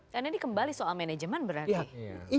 karena ini kembali soal manajemen berarti